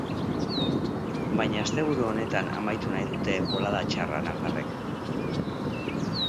Baina asteburu honetan amaitu nahi dute bolada txarra nafarrek.